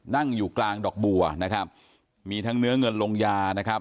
นั่งอยู่กลางดอกบัวนะครับมีทั้งเนื้อเงินลงยานะครับ